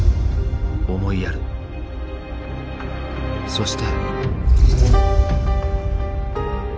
そして。